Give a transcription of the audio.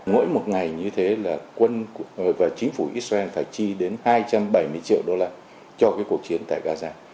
mỗi một ngày như thế là quân và chính phủ israel phải chi đến hai trăm bảy mươi triệu đô la cho cái cuộc chiến tại gaza